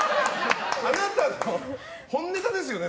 あなたの本ネタですよね？